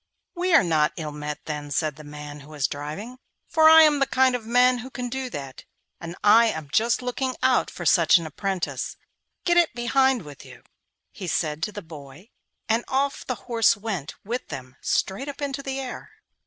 'We are not ill met, then,' said the man who was driving, 'for I am the kind of man who can do that, and I am just looking out for such an apprentice. Get up behind with you,' he said to the boy, and off the horse went with them straight up into the air.